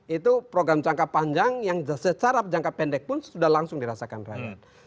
itu program jangka panjang yang secara jangka pendek pun sudah langsung dirasakan rakyat